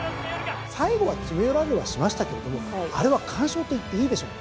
最後は詰め寄られはしましたけれどもあれは完勝と言っていいでしょう。